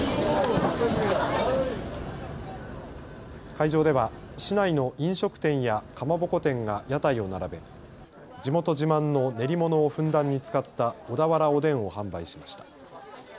会場では市内の飲食店やかまぼこ店が屋台を並べ地元自慢の練り物をふんだんに使った小田原おでんを販売しました。